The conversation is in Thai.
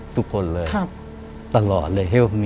ช่วยด้วย